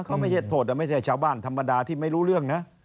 เขาไม่ใช่โทษไม่ใช่ชาวบ้านธรรมดาที่ไม่รู้เรื่องนะ